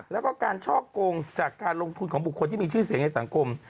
แล้วก็การช่อกงจากการลงทุนของบุคคลที่มีชื่อเสียงในสังคม